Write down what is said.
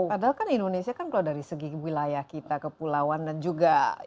padahal kan indonesia kan kalau dari segi wilayah kita kepulauan dan juga